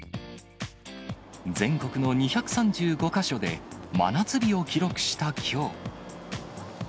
全国の２３５か所で真夏日を記録したきょう。